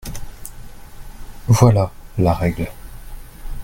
Voilà la règle.